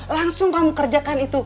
langsung kamu kerjakan itu